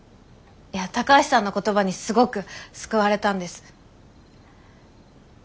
いや高橋さんの言葉にすごく救われたんです。